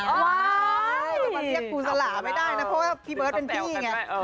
จะมาเรียกครูสลาไม่ได้นะเพราะว่าพี่เบิร์ตเป็นพี่ไง